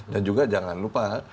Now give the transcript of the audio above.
dan juga jangan lupa